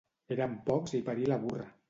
Érem pocs i parí la burra.